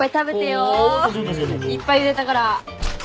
いっぱいゆでたから。